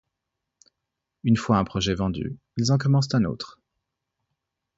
Une fois un projet vendu, ils en commencent un autre.